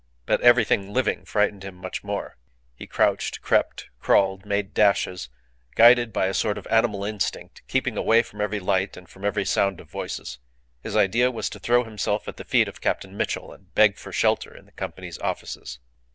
But everything living frightened him much more. He crouched, crept, crawled, made dashes, guided by a sort of animal instinct, keeping away from every light and from every sound of voices. His idea was to throw himself at the feet of Captain Mitchell and beg for shelter in the Company's offices.